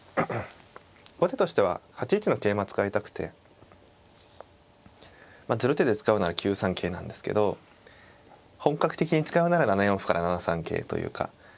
後手としては８一の桂馬使いたくてまあゼロ手で使うなら９三桂なんですけど本格的に使うなら７四歩から７三桂というか。